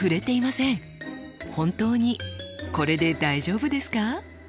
本当にこれで大丈夫ですか？